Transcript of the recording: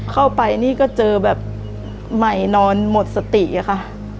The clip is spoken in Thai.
เข้าไปนี่ก็เจอแบบใหม่นอนหมดสติอะค่ะ